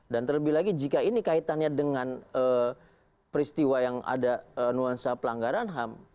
dan terlebih lagi jika ini kaitannya dengan peristiwa yang ada nuansa pelanggaran ham